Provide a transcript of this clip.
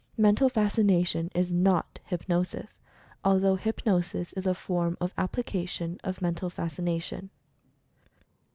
Mental Fas cination is not Hypnosis, although Hypnosis is a form of application of Mental Fascination.